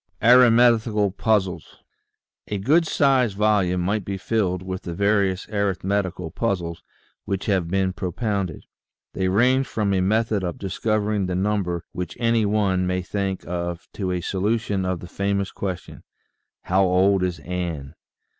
ARITHMETICAL PUZZLES GOOD SIZED volume might be filled with the various arithmetical puzzles which have been propounded. They range from a method of discovering the number which any one may think of to a solution of the "famous" question: "How old is Ann ?